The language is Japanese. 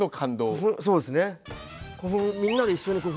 そうですね。